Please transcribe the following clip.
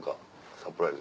サプライズ？